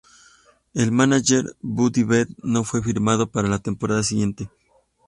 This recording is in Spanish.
El mánager Buddy Bell no fue firmado para la temporada siguiente.